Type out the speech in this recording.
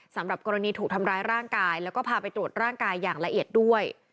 สำหรับกรณีถูกทำร้ายร่างกายแล้วก็พาไปตรวจร่างกายอย่างละเอียดด้วย